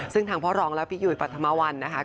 ซึ่งทางพ่อรองและพี่ยุ้ยปรัฐมวัลนะคะ